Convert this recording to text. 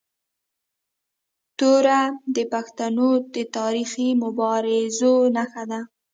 توره د پښتنو د تاریخي مبارزو نښه ده.